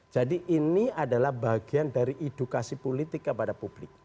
jadi ini adalah bagian dari edukasi politik kepada publik